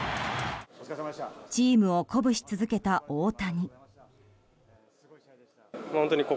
チームを鼓舞し続けた大谷。